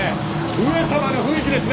上様の雰囲気ですね。